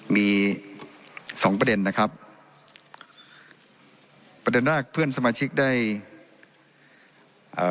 มีสองประเด็นนะครับประเด็นแรกเพื่อนสมาชิกได้เอ่อ